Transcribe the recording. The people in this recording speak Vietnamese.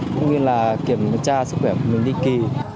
cũng như là kiểm tra sức khỏe của mình đi kỳ